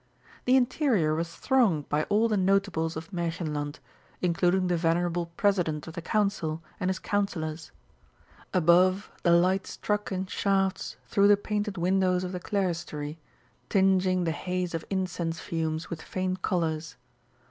The interior was thronged by all the notables of Märchenland, including the venerable President of the Council and his Councillors. Above, the light struck in shafts through the painted windows of the clerestory, tinging the haze of incense fumes with faint colours.